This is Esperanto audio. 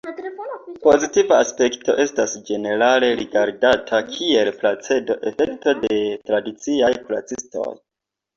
Pozitiva aspekto estas ĝenerale rigardata kiel 'placebo'-efekto de tradiciaj kuracistoj.